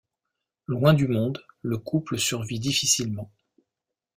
Loin du monde, le couple survit difficilement.